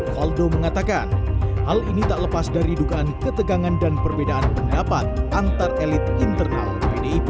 faldo mengatakan hal ini tak lepas dari dugaan ketegangan dan perbedaan pendapat antar elit internal pdip